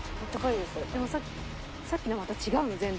でもさっきのまた違うの全然。